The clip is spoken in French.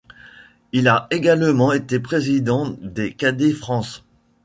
Il a également été président des Cadets France.